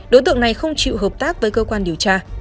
đối tượng này không chịu hợp tác với cơ quan điều tra